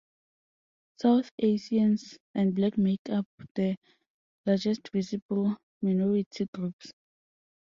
South Asians and Black make up the largest Visible Minority Groups.